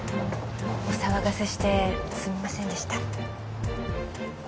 お騒がせしてすみませんでした。